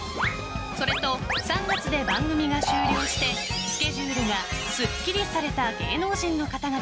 それと３月で番組が終了してスケジュールがすっきりされた芸能人の方々